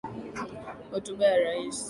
Hotuba ya rais.